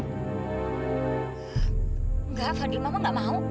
enggak fanny mama gak mau